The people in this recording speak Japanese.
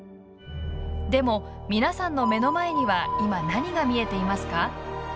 でも、皆さんの目の前には今、何が見えていますか？